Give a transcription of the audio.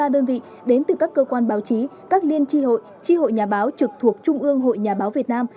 một trăm bốn mươi ba đơn vị đến từ các cơ quan báo chí các liên tri hội tri hội nhà báo trực thuộc trung ương hội nhà báo việt nam